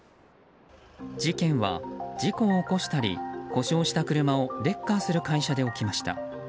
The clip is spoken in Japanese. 事件は、事故を起こしたり故障した車をレッカーする会社で起きました。